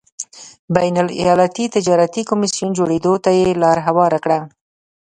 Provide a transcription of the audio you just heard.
بین الایالتي تجارتي کمېسیون جوړېدو ته یې لار هواره کړه.